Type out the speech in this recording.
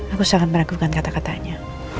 aku sangat meragukan kata katanya